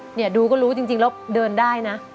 เนี่ยดูก็รู้จริงแล้วเดินได้นะ